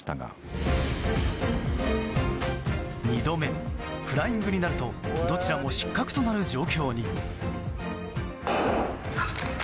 ２度目、フライングになるとどちらも失格となる状況に。